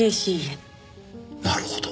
なるほど。